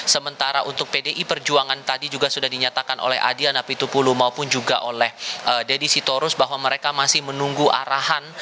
sementara untuk pdi perjuangan tadi juga sudah dinyatakan oleh adian apitupulu maupun juga oleh deddy sitorus bahwa mereka masih menunggu arahan